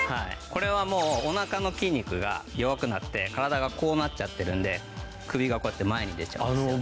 これはもうお腹の筋肉が弱くなって体がこうなっちゃってるんで首がこうやって前に出ちゃうんですよ。